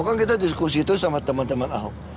kan kita diskusi itu sama teman teman ahok